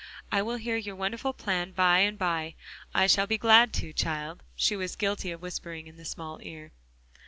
I will hear your wonderful plan by and by. I shall be glad to, child," she was guilty of whispering in the small ear.